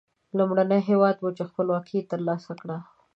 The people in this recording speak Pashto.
لومړنی هېواد و چې خپلواکي تر لاسه کړه.